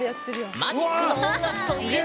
マジックの音楽といえば。